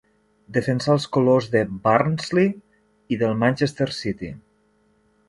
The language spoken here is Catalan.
Defensà els colors de Barnsley i del Manchester City.